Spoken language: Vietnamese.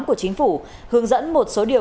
của chính phủ hướng dẫn một số điều